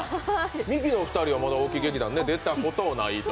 ミキのお二人はまだ大木劇団に出たことはないと。